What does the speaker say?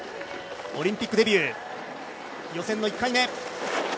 オリンピックデビュー、予選の１回目。